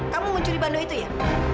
kamu mencuri bando itu ya